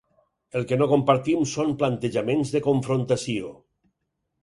El que no compartim són plantejaments de confrontació.